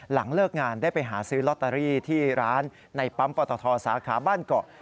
หลังเลิกงานได้ไปหาซื้อลอตเตอรี่ที่ร้านในปั๊มปตทสาขาบ้านเกาะ